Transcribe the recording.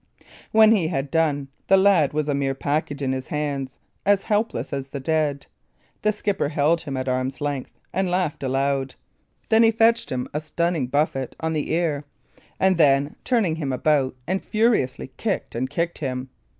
When he had done, the lad was a mere package in his hands as helpless as the dead. The skipper held him at arm's length, and laughed aloud. Then he fetched him a stunning buffet on the ear; and then turned him about, and furiously kicked and kicked him.